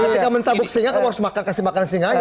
ketika mencabuk singa kamu harus kasih makan singa aja